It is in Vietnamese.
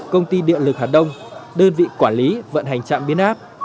công ty điện lực hà đông đơn vị quản lý vận hành trạm biến áp